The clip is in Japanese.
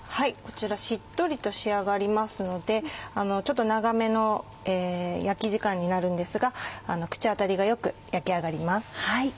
こちらしっとりと仕上がりますのでちょっと長めの焼き時間になるんですが口当たりが良く焼き上がります。